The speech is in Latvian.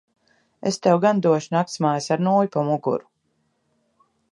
Es tev gan došu naktsmājas ar nūju pa muguru.